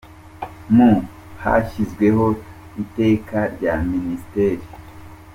Mu hashyizweho Iteka rya Minisitiri.